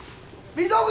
溝口！